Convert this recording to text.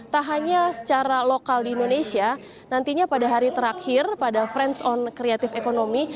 tak hanya secara lokal di indonesia nantinya pada hari terakhir pada friends on creative economy